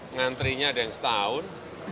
ngantrinya ada yang setahun